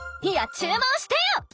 いやっ注文してよ！